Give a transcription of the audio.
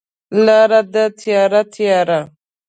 لاره ده تیاره، تیاره